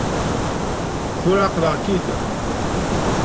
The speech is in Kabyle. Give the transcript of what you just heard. Tura εeqleɣ-k-id.